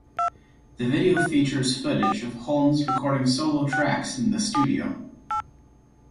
The Video features footage of Holmes recording solo tracks in the studio.